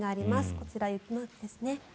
こちら、雪マークですね。